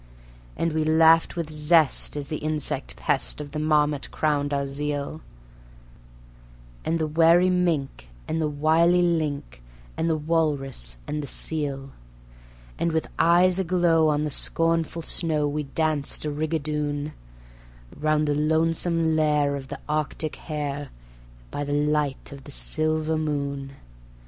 And we laughed with zest as the insect pest of the marmot crowned our zeal, And the wary mink and the wily "link", and the walrus and the seal. And with eyes aglow on the scornful snow we danced a rigadoon, Round the lonesome lair of the Arctic hare, by the light of the silver moon.